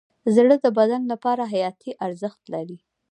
زړه د بدن لپاره حیاتي ارزښت لري.